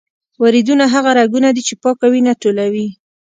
وریدونه هغه رګونه دي چې پاکه وینه ټولوي.